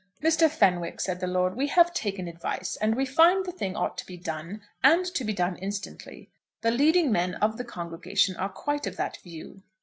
"Mr. Fenwick," said the lord, "we have taken advice, and we find the thing ought to be done, and to be done instantly. The leading men of the congregation are quite of that view."